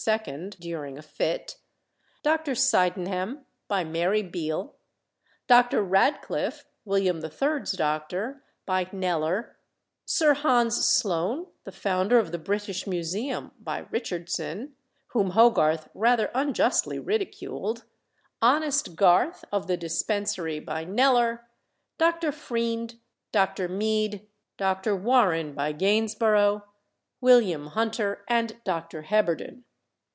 during a fit; Dr. Sydenham, by Mary Beale; Doctor Radcliffe, William III.'s doctor, by Kneller; Sir Hans Sloane, the founder of the British Museum, by Richardson, whom Hogarth rather unjustly ridiculed; honest Garth (of the "Dispensary"), by Kneller; Dr. Freind, Dr. Mead, Dr. Warren (by Gainsborough); William Hunter, and Dr. Heberden.